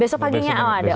besok paginya ada